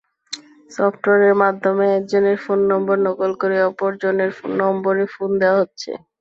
সফটওয়্যারের মাধ্যমে একজনের ফোন নম্বর নকল করে অপরজনের নম্বরে ফোন দেওয়া হচ্ছে।